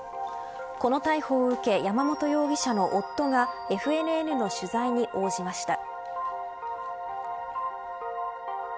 この逮捕を受け山本容疑者の夫がＦＮＮの取材に応じました。